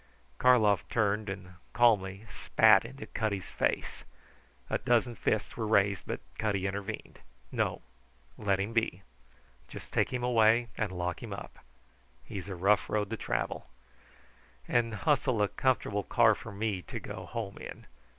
Karlov turned and calmly spat into Cutty's face. A dozen fists were raised, but Cutty intervened. "No! Let him be. Just take him away and lock him up. He's a rough road to travel. And hustle a comfortable car for me to go home in.